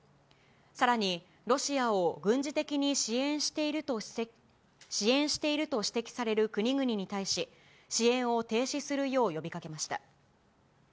さらにロシアを軍事的に支援していると指摘される国々に対し、支援を停止するよう呼びかけました。